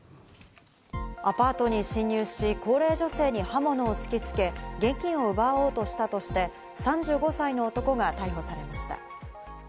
アパートに侵入し、高齢女性に刃物を突きつけ現金を奪おうとしたとして、３５歳の男が逮捕されました。